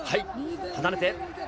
離れて。